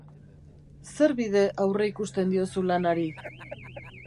Zer bide aurreikusten diozu lanari?